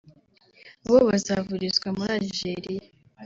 bo bazavurizwa muri Algeria